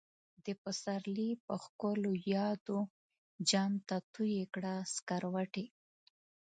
دپسرلی په ښکلو يادو، جام ته تويې کړه سکروټی